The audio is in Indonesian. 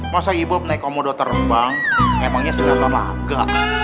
masa ibu naik komodo terbang emangnya sedang pemaga